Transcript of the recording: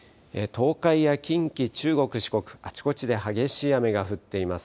東海や近畿、中国、四国あちこちで激しい雨が降っています。